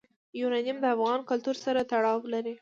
یورانیم د افغان کلتور سره تړاو لري.